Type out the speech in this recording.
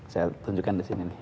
saya tunjukkan di sini nih